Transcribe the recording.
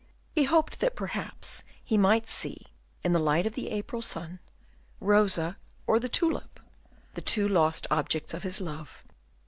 He hoped that perhaps he might see, in the light of the April sun, Rosa or the tulip, the two lost objects of his love.